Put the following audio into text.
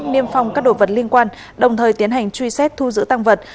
niêm phong các đồ vật liên quan đồng thời tiến hành truy xét thu giữ tăng vật